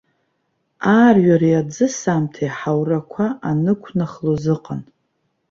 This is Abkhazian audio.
Аарҩареи аӡысаамҭеи ҳаурақәа анықәнахлоз ыҟан.